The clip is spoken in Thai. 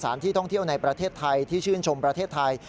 ที่ท่องเที่ยวในประเทศไทยที่ชื่นชมประเทศไทย